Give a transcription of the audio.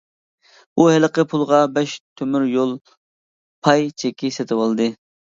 ئۇ ھېلىقى پۇلغا بەش تۆمۈر يول پاي چېكى سېتىۋالدى.